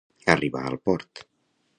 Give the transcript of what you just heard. Arribar al port.